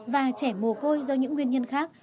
và trẻ mồ côi do những nguyên nhân khác